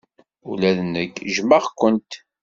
Ula d nekk jjmeɣ-kent.